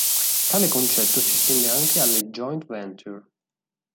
Tale concetto si estende anche alle joint venture.